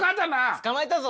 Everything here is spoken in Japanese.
捕まえたぞ！